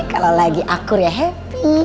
kalau lagi akur ya happy